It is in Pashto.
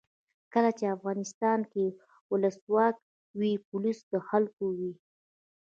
کله چې افغانستان کې ولسواکي وي پولیس د خلکو وي.